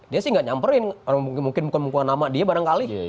dia sih gak nyamperin mungkin bukan menghukum nama dia barangkali